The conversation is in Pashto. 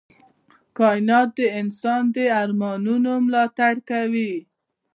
کائنات د انسان د ارمانونو ملاتړ کوي.